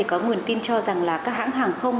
có nguồn tin cho rằng các hãng hàng không